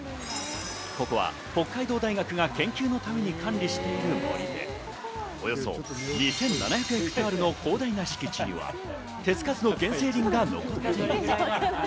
ここは北海道大学が研究のために管理している森で、およそ２７００ヘクタールの広大な敷地には手付かずの原生林が残っている。